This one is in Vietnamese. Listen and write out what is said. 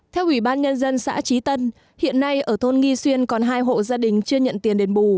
theo ủy ban nhân dân xã trí tân hiện nay ở thôn nghi xuyên còn hai hộ gia đình chưa nhận tiền đền bù